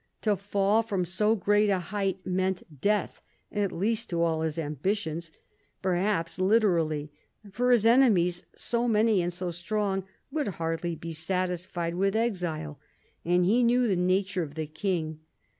To fall from so great a height meant death, at least to all his ambitions ; perhaps literally, for his enemies, so many and so strong, would hardly be satisfied with exile. And he knew the nature of the King.